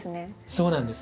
そうなんです。